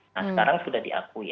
nah sekarang sudah diakui